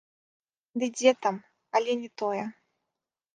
Ды дзе там, але не тое.